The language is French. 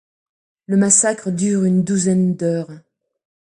Le massacre dure une douzaine d'heures.